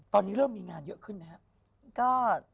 ตอนนี้เริ่มมีงานเยอะขึ้นไหมครับ